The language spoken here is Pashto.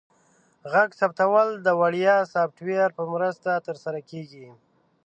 غږ ثبتول د وړیا سافټویر په مرسته ترسره کیږي.